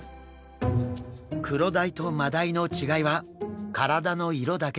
クロダイとマダイの違いは体の色だけではありません。